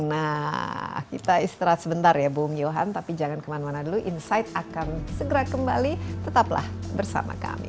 nah kita istirahat sebentar ya bung johan tapi jangan kemana mana dulu insight akan segera kembali tetaplah bersama kami